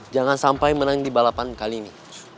jangan sampai menang di balapan kali ini